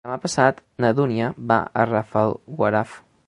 Demà passat na Dúnia va a Rafelguaraf.